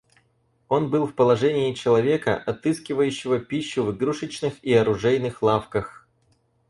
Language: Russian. Он был в положении человека, отыскивающего пищу в игрушечных и оружейных лавках.